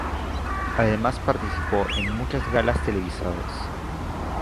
Además, participó en muchas galas televisadas.